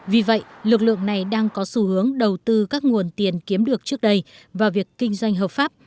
vì vậy lực lượng này đang có xu hướng đầu tư các nguồn tiền kiếm được trước đây vào việc kinh doanh hợp pháp